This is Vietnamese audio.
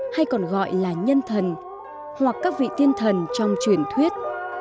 hay còn gọi là nhân thần hoặc các vị tiên thần trong truyền thuyết